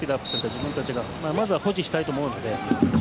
自分たちがまずは保持したいと思うので。